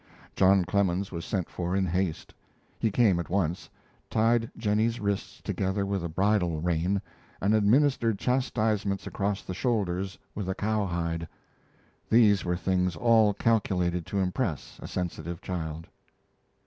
John Clemens was sent for in haste. He came at once, tied Jennie's wrists together with a bridle rein, and administered chastisement across the shoulders with a cowhide. These were things all calculated to impress a sensitive child.